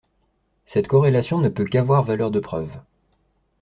Cette corrélation ne peut qu’avoir valeur de preuve.